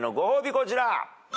こちら。